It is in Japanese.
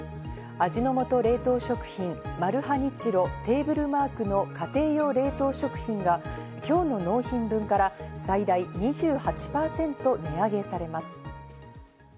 味の素冷凍食品、マルハニチロ、テーブルマークの家庭用冷凍食品が今日の納品分から最大２８％値上げされます。